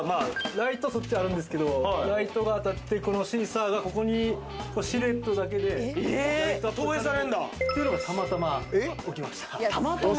ライトがそっちにあるんですけど、ライトが当たって、このシーサーがここにシルエットだけでライトアップされて。というのがたまたま起きました。